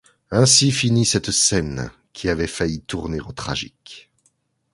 Ainsi finit cette scène qui avait failli tourner au tragique!